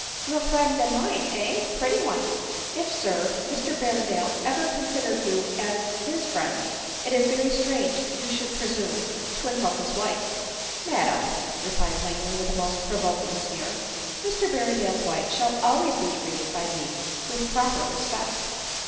Your friend and mine, heh ! pretty one !"" If, sir, Mr Berrendale ever considered you as his friend, it is very strange that you should presume to insult his wife." "Madam," replied Langley with a most provoking sneer, "MrBerrendale's wife shall always be treated by me with proper respect."